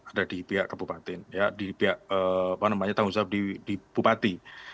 ada di pihak kabupaten di pihak tanggung jawab di bupati